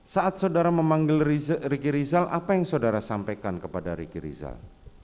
saat saudara memanggil ricky rizal apa yang saudara sampaikan kepada ricky rizal